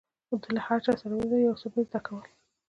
ده له هر چا سره چې ولیدل، يو څه به يې زده کول.